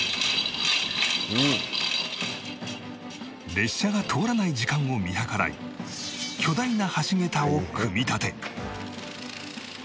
列車が通らない時間を見計らい巨大な橋桁を組み立て